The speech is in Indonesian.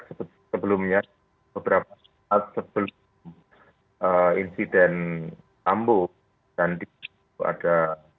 kalau kita ingat sebelumnya beberapa saat sebelum insiden tambuh dan itu ada